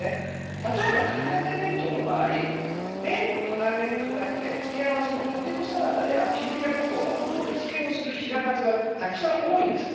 例えば、から揚げ弁当の場合メーンのから揚げに加えて付け合わせのポテトサラダやきんぴらごぼうなど盛り付けする品数が多いです。